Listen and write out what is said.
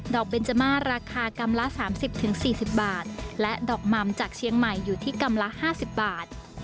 ดอกเบนจาม่าราคากำละสามสิบถึงสี่สิบบาทและดอกหม่ำจากเชียงใหม่อยู่ที่กำละห้าสิบบาท